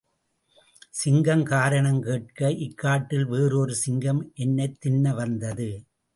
சிங்கம் காரணம் கேட்க, இக்காட்டில் வேறு ஒரு சிங்கம் என்னைத் தின்ன வந்தது.